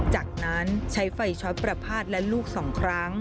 จากนั้นใช้ไฟช็อตประพาทและลูก๒ครั้ง